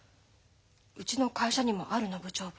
うちの会社にもあるの部長部。